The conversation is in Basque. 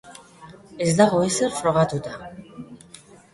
Ez dago ezer frogatuta.